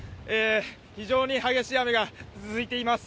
非常に激しい雨が続いています。